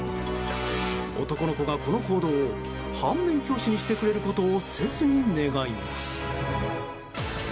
男の子が、この行動を反面教師にしてくれることを切に願います。